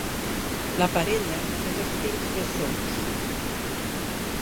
La parella té dos fills bessons.